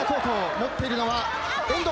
持っているのは遠藤。